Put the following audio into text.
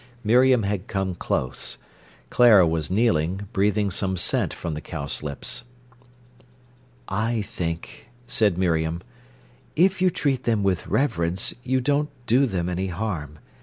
Miriam had come close. Clara was kneeling, breathing some scent from the cowslips. "I think," said Miriam, "if you treat them with reverence you don't do them any harm.